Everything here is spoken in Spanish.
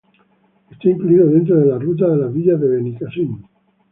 Está incluida dentro de la "Ruta de las villas de Benicasim".